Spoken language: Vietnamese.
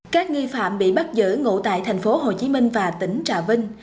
các nghi phạm bị bắt giữ ngủ tại tp hcm và tỉnh trà vinh